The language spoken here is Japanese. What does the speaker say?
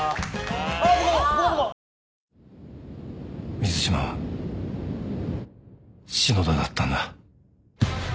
水島は篠田だったんだ。